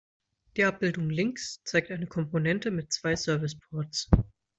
Die Abbildung links zeigt eine Komponente mit zwei "Service-Ports".